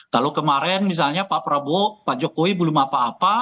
kalau kemarin misalnya pak prabowo pak jokowi belum apa apa